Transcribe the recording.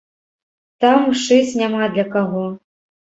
Там шыць няма для каго.